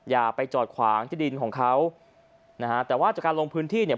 อย่าไปจอดขวางที่ดินของเขานะฮะแต่ว่าจากการลงพื้นที่เนี่ย